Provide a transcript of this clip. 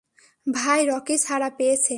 ভাই, রকি ছাড়া পেয়েছে।